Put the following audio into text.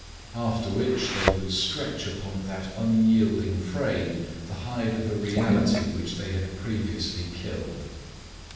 After which, they would stretch upon that unyielding frame the hide of a reality which they had previously killed.